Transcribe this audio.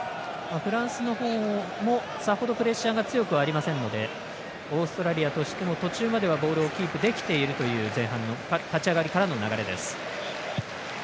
フランスの方もさほどプレッシャーが強くありませんのでオーストラリアとしても途中まではボールをキープできているという立ち上がりからの流れです。